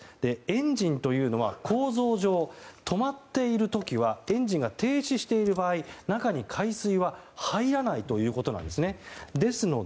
エンジンというのは構造上、止まっている時はエンジンが停止している場合中に海水は入らないということです。